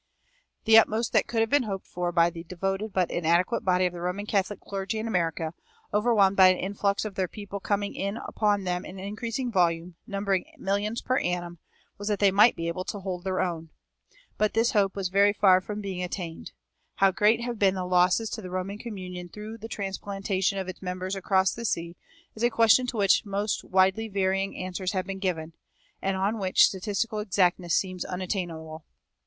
"[321:1] The utmost that could have been hoped for by the devoted but inadequate body of the Roman Catholic clergy in America, overwhelmed by an influx of their people coming in upon them in increasing volume, numbering millions per annum, was that they might be able to hold their own. But this hope was very far from being attained. How great have been the losses to the Roman communion through the transplantation of its members across the sea is a question to which the most widely varying answers have been given, and on which statistical exactness seems unattainable.